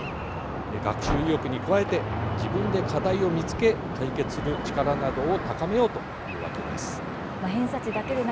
学習意欲に加えて自分で課題を見つけ解決する力などを高めようというわけです。